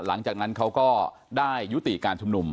หลังจากนั้นเขาก็ได้ยุติการชุมนุม